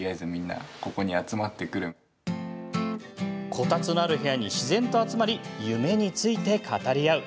こたつのある部屋に自然と集まり夢について語り合う。